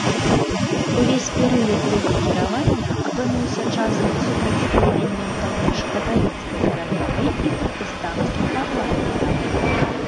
Увесь перыяд яе кіравання апынуўся часам супрацьстаяннем паміж каталіцкай каралевай і пратэстанцкім парламентам.